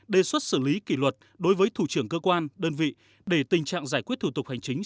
đề xuất xử lý kỷ luật đối với thủ trưởng cơ quan đơn vị để tình trạng giải quyết thủ tục hành chính